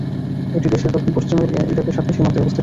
এটি দেশের দক্ষিণ-পশ্চিমে ইরাকের সাথে সীমান্তে অবস্থিত।